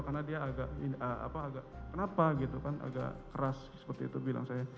karena dia agak kenapa gitu kan agak keras seperti itu bilang saya